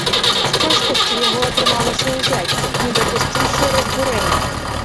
З цяжкасцю яго атрымалася ўзяць, не дапусціўшы разбурэння.